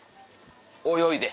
泳いで。